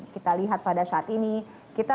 kita lihat pada saat ini kita